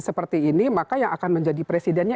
seperti ini maka yang akan menjadi presidennya